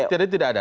tadi tidak ada